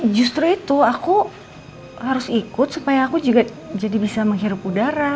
justru itu aku harus ikut supaya aku juga jadi bisa menghirup udara